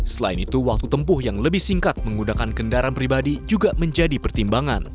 selain itu waktu tempuh yang lebih singkat menggunakan kendaraan pribadi juga menjadi pertimbangan